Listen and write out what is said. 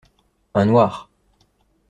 Un noir.